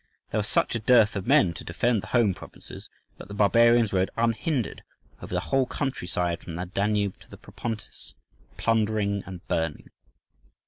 There was such a dearth of men to defend the home provinces that the barbarians rode unhindered over the whole country side from the Danube to the Propontis plundering and burning.